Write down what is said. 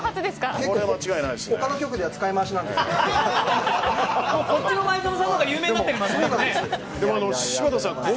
他の局では使い回しなんですけど。